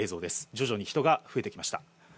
徐々に人が増えてきました。